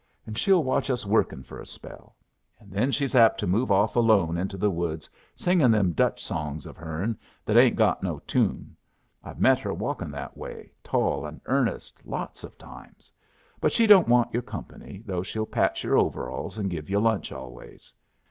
And she'll watch us workin' for a spell, and then she's apt to move off alone into the woods, singin' them Dutch songs of hern that ain't got no toon. I've met her walkin' that way, tall and earnest, lots of times. But she don't want your company, though she'll patch your overalls and give yu' lunch always.